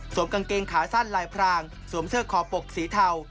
สวมกางเกงขาสั้นลายพรางสวมเสือขอบปกสีทาว